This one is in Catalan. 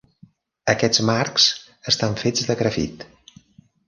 Aquests marcs estan fets de grafit.